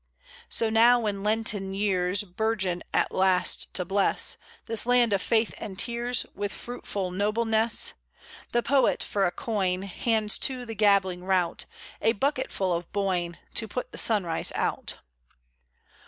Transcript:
So now, when Lenten years Burgeon, at last, to bless This land of Faith and Tears With fruitful nobleness, The poet, for a coin, Hands to the gabbling rout A bucketful of Boyne To put the sunrise out.